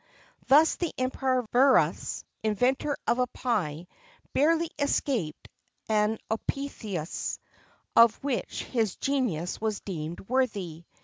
Thus the Emperor Verus, inventor of a pie, barely escaped an apotheosis of which his genius was deemed worthy.